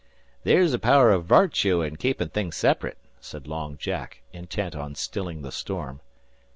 "There's a power av vartue in keepin' things sep'rate," said Long Jack, intent on stilling the storm.